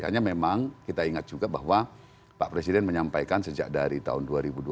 hanya memang kita ingat juga bahwa pak presiden menyampaikan sejak dari tahun dua ribu dua belas